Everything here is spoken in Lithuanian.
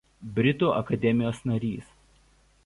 Britų akademijos narys.